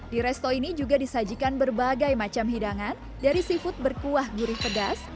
di resto ini juga disajikan berbagai macam hidangan dari seafood berkuah gurih pedas